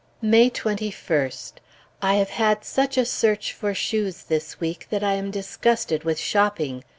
May 21st. I have had such a search for shoes this week that I am disgusted with shopping.